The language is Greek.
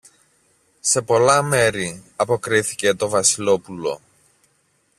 Σε πολλά μέρη, αποκρίθηκε το Βασιλόπουλο.